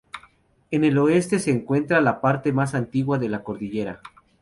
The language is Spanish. En el oeste se encuentra la parte más antigua de la cordillera.